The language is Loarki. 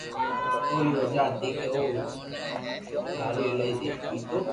اوري وجہ ھتي ڪي او دھارو ايلائي پيتو